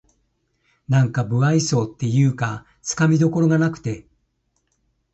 なんか無愛想っていうかつかみどころがなくて